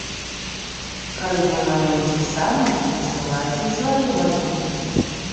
Калі вы малюеце самі, дасылайце і свае малюнкі!